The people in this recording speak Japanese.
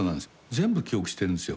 全部記憶してるんですよ。